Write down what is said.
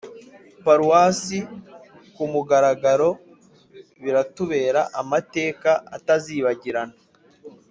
paruwasi ku mugaragaro, biratubera amateka atazibagirana,